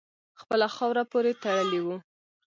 خپله خاوره پوري تړلی وو.